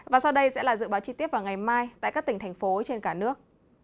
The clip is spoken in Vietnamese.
và sau đây sẽ là dự báo chi tiết vào ngày mai tại các tỉnh thành phố trên cả nước